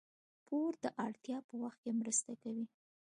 پور د اړتیا په وخت کې مرسته کوي.